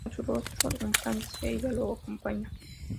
A su retorno en Francia ella lo acompaña.